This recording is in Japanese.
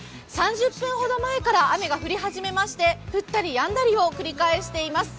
３０分ほど前から雨が降り始めまして、降ったりやんだりを繰り返しています。